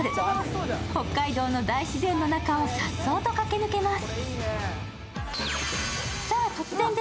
北海道の大自然の中を颯爽と駆け抜けます。